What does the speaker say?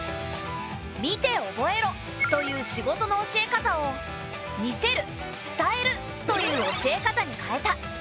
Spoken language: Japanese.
「見て覚えろ」という仕事の教え方を「見せる」「伝える」という教え方に変えた。